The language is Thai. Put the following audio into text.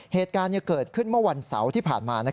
เหตุการณ์เกิดขึ้นเมื่อวันเสาร์ที่ผ่านมา